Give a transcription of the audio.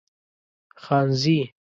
خانزي